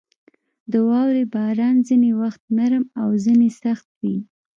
• د واورې باران ځینې وخت نرم او ځینې سخت وي.